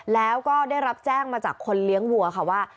แล้วก็ได้รับแจ้งมาจากคนเลี้ยงวัวค่ะว่า